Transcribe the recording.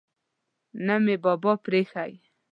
نه مې بابا پریښی.